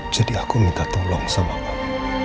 jadi aku minta tolong sama allah